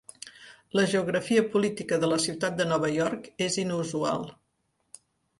La geografia política de la ciutat de Nova York és inusual.